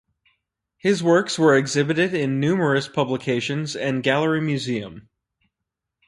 His works were exhibited in numerous publications and gallery museum.